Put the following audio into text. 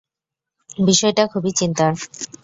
বিষয়টা খুবই চিন্তার?